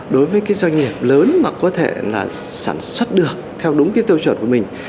đối với cái doanh nghiệp lớn mà có thể là sản xuất được theo đúng cái tiêu chuẩn của mình